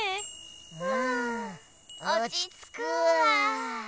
うんおちつくわ。